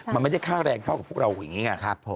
มันไม่ใช่ค่าแรงเข้ากับพวกเราปรึงนี้